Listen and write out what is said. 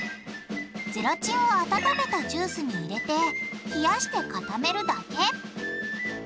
ゼラチンを温めたジュースに入れて冷やして固めるだけ。